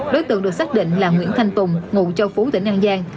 đối tượng được xác định là nguyễn thanh tùng ngụ châu phú tỉnh an giang